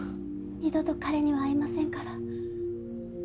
二度と彼には会いませんから。